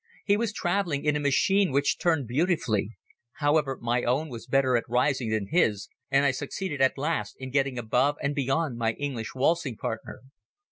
He was traveling in a machine which turned beautifully. However, my own was better at rising than his, and I succeeded at last in getting above and beyond my English waltzing partner.